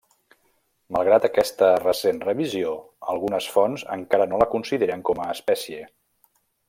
Malgrat aquesta recent revisió, algunes fonts encara no la consideren com a espècie.